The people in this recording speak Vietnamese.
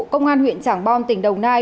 công an huyện trảng bom tỉnh đồng nai